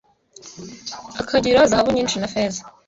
akagira zahabu nyinshi na feza